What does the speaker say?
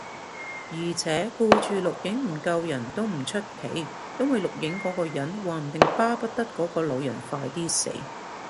而且，顧住錄影唔救人，都唔出奇，因為錄影嗰個人話唔定巴不得嗰個老人快啲死